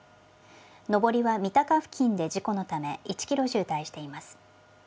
上りは三鷹付近で事故のため、１キロ渋滞しています。